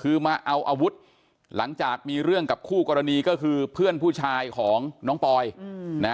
คือมาเอาอาวุธหลังจากมีเรื่องกับคู่กรณีก็คือเพื่อนผู้ชายของน้องปอยนะ